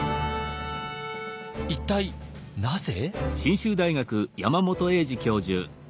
一体なぜ？